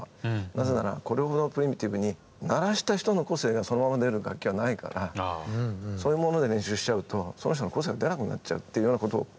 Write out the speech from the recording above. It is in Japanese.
なぜならこれほどプリミティブに鳴らした人の個性がそのまま出る楽器はないからそういうもので練習しちゃうとその人の個性が出なくなっちゃうっていうようなことを。